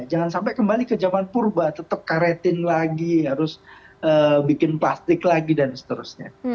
jangan sampai kembali ke zaman purba tetap karetin lagi harus bikin plastik lagi dan seterusnya